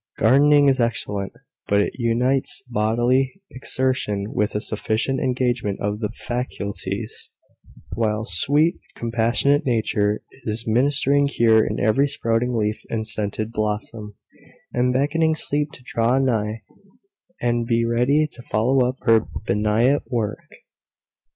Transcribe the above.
Gardening is excellent, because it unites bodily exertion with a sufficient engagement of the faculties, while sweet, compassionate Nature is ministering cure in every sprouting leaf and scented blossom, and beckoning sleep to draw nigh, and be ready to follow up her benignant work.